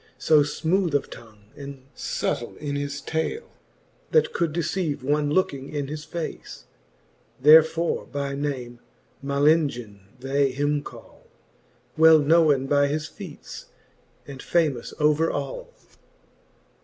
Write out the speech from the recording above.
So fmooth of tongue, and fubtile in his tale, That could deceive one looking in his face ; Therefore by name Malengin they him call, Well knowen by his feates, and famous over all.